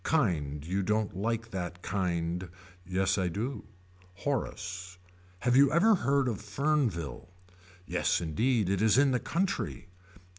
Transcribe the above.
Kind you don't like that kind. Yes I do. Horace. Have you ever heard of Fernville. Yes indeed it is in the country.